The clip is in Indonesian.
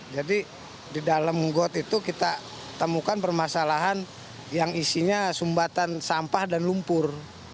jadi di dalam got itu kita temukan permasalahan yang isinya sumbatan sampah dan lumpur